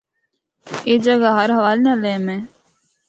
اے جگہ ہر حوالے نال اہم ہے۔